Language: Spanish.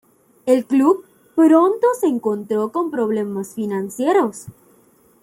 El club pronto se encontró con problemas financieros.